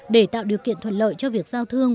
để tạo điều kiện thuận lợi cho việc giao thương